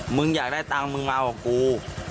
มึงอยากได้ตังค์มึงมากับกู